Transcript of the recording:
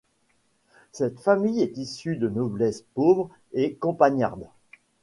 Cette famille est issue de noblesse pauvre et campagnarde.